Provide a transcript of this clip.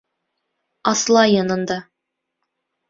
Аслай янында.